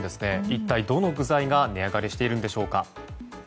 一体どの具材が値上がりしているんでしょうか。